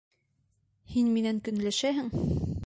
Һин минән көнләшәһең?